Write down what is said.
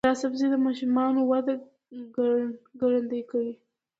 دا سبزی د ماشومانو وده ګړندۍ کوي.